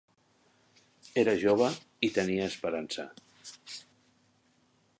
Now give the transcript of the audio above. Era jove i tenia esperança.